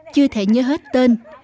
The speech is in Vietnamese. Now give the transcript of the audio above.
chưa thể nhớ hết tên